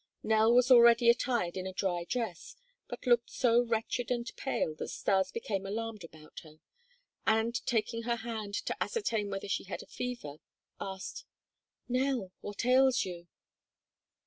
Nell was already attired in a dry dress but looked so wretched and pale that Stas became alarmed about her, and, taking her hand to ascertain whether she had a fever, asked: "Nell, what ails you?"